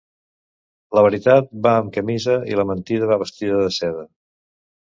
La veritat va en camisa i la mentida va vestida de seda.